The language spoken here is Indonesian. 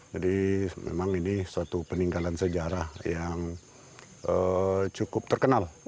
jadi memang ini suatu peninggalan sejarah yang cukup terkenal